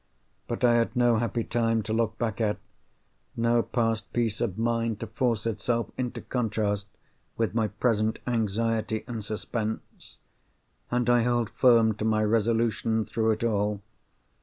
But I had no happy time to look back at, no past peace of mind to force itself into contrast with my present anxiety and suspense—and I held firm to my resolution through it all.